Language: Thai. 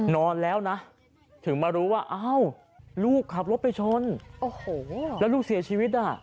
นอนแล้วนะถึงมารู้ว่าอ้าวลูกขับรถไปชนโอ้โหแล้วลูกเสียชีวิตอ่ะ